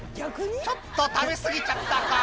「ちょっと食べ過ぎちゃったかな」